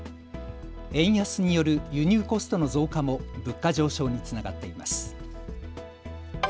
円安による輸入コストの増加も物価上昇につながっています。